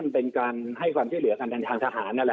เป็นการให้ความช่วยเหลือกันทางทหารนั่นแหละ